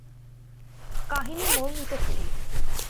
কাহিনী মোড় নিতে থাকে।